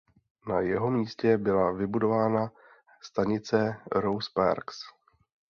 Na jeho místě byla vybudována stanice Rosa Parks.